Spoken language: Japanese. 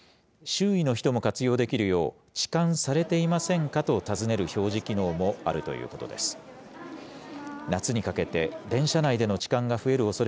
周囲の人も活用できるよう、ちかんされていませんか？と尋ねる表示機能もあるということです。